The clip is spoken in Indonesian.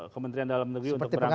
kementerian dalam negeri untuk berangkat